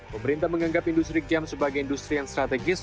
pemerintah menganggap industri game sebagai industri yang strategis